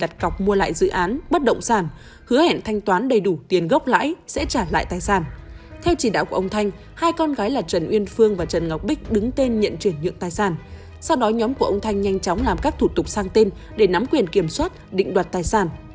sau đó nhóm của ông thanh nhanh chóng làm các thủ tục sang tên để nắm quyền kiểm soát định đoạt tài sản